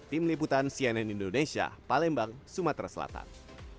tim liputan cnn indonesia palembang sumatera selatan